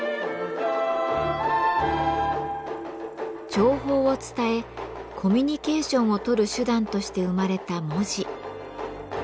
情報を伝えコミュニケーションを取る手段として生まれた文字。